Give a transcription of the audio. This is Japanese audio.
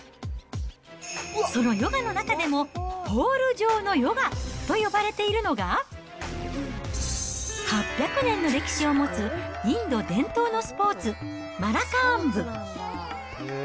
そのヨガの中でも、ポール上のヨガと呼ばれているのが、８００年の歴史を持つインド伝統のスポーツ、マラカーンブ。